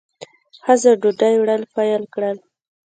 ښځه ډوډۍ وړل پیل کړل.